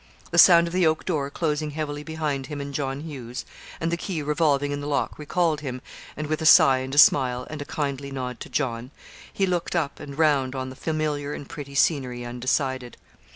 The sound of the oak door closing heavily behind him and John Hughes, and the key revolving in the lock recalled him, and with a sigh and a smile, and a kindly nod to John, he looked up and round on the familiar and pretty scenery undecided.